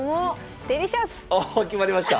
おお決まりました。